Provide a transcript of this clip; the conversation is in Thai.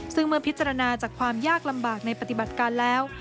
ซึ่งเมื่อพิจารณาจากความยากลำบากในปฏิบัติการแล้ว